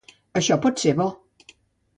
Això pot ser bo.